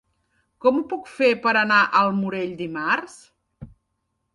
Com ho puc fer per anar al Morell dimarts?